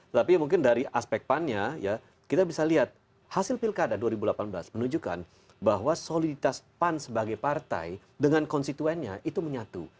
tapi mungkin dari aspek pannya ya kita bisa lihat hasil pilkada dua ribu delapan belas menunjukkan bahwa soliditas pan sebagai partai dengan konstituennya itu menyatu